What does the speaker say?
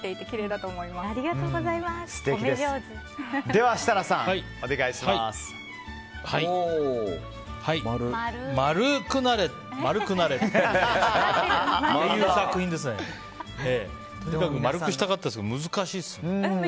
とにかく丸くしたかったですけど難しいです。